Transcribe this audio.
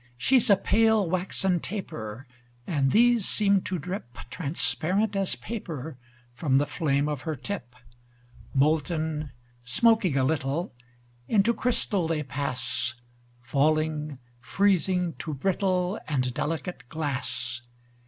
She's a pale, waxen taper; And these seem to drip Transparent as paper From the flame of her tip. Molten, smoking a little, Into crystal they pass; Falling, freezing, to brittle And delicate glass.